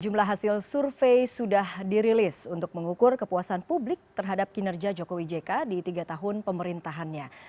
jumlah hasil survei sudah dirilis untuk mengukur kepuasan publik terhadap kinerja jokowi jk di tiga tahun pemerintahannya